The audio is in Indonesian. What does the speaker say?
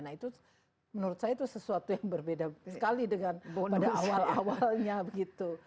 nah itu menurut saya itu sesuatu yang berbeda sekali dengan pada awal awalnya begitu